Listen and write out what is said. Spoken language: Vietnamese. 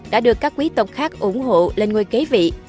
đã được các quý tộc khác ủng hộ lên ngôi kế vị